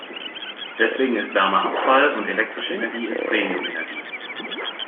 Deswegen ist Wärme Abfall und elektrische Energie ist Premium-Energie.